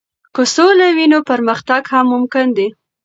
که سوله وي، نو پرمختګ هم ممکن دی.